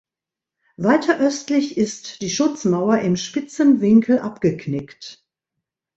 Weiter östlich ist die Schutzmauer im spitzen Winkel abgeknickt.